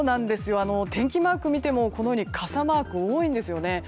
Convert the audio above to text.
天気マークを見ても傘マーク多いんですよね。